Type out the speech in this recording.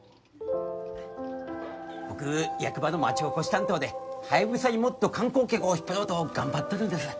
僕役場の町おこし担当でハヤブサにもっと観光客を引っ張ろうと頑張っとるんです。